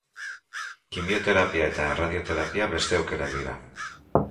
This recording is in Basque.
Kimioterapia eta erradioterapia beste aukerak dira.